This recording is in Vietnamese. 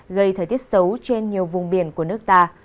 gây thời tiết xấu trên nhiều vùng biển của nước ta